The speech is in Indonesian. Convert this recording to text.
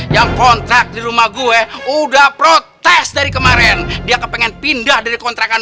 yang kontrak di rumah gue udah protes dari kemarin dia kepengen pindah dari kontrakan